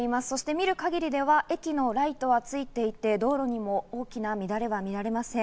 見る限りでは駅のライトはついていて、道路にも大きな乱れは見られません。